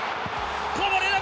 こぼれ球！